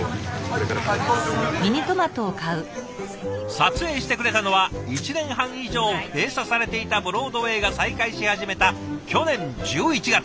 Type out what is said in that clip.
撮影してくれたのは１年半以上閉鎖されていたブロードウェイが再開し始めた去年１１月。